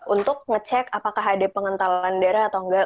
untuk ngecek apakah ada pengentalan darah atau enggak